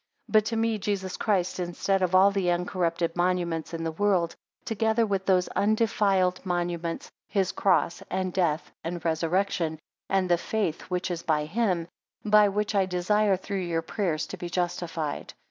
21 But to me Jesus Christ instead of all the uncorrupted monuments in the world; together with those undefiled monuments, his cross, and death, and resurrection, and the faith which is by him; by which I desire, through your prayers, to be justified.